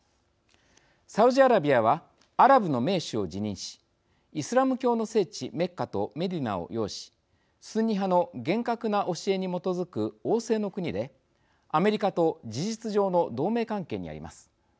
サウジアラビアはアラブの盟主を自認しイスラム教の聖地メッカとメディナを擁しスンニ派の厳格な教えに基づく王制の国で、アメリカと事実上の同盟関係にあります。